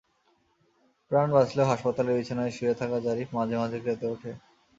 প্রাণ বাঁচলেও হাসপাতালের বিছানায় শুয়ে থাকা জারিফ মাঝে মাঝে কেঁদে ওঠে।